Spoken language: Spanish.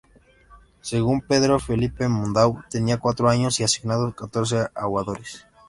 Según Pedro Felipe Monlau tenía cuatro caños y asignados catorce aguadores.